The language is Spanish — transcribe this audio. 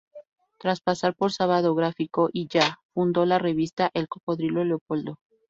Tras pasar por "Sábado Gráfico" y "Ya", fundó la revista "El Cocodrilo Leopoldo".